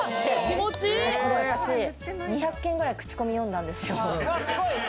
私、２００件ぐらい口コミ読んだんですよ。